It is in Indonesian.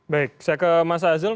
baik saya ke mas azul